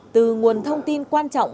từ nguồn thông tin quan trọng